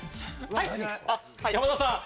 山田さん。